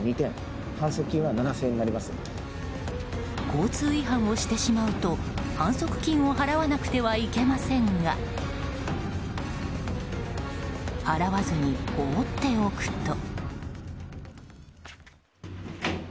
交通違反をしてしまうと反則金を払わなくてはいけませんが払わずに放っておくと。